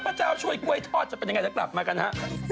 พระเจ้าช่วยกล้วยทอดจะเป็นยังไงเดี๋ยวกลับมากันฮะ